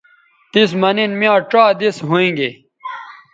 تس مہ نن میاں ڇا دس ھوینگے